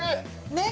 ねっ。